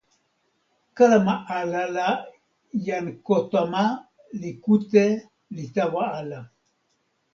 kalama ala la jan Kotama li kute li tawa ala.